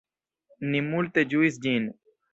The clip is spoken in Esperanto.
Ni multe ĝuis ĝin.